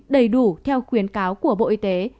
đầy đủ theo khuyến cáo của bộ y tế